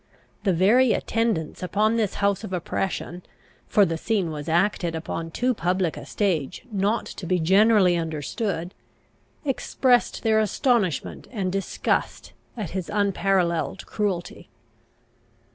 The very attendants upon this house of oppression, for the scene was acted upon too public a stage not to be generally understood, expressed their astonishment and disgust at his unparalleled cruelty.